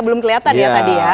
belum kelihatan ya tadi ya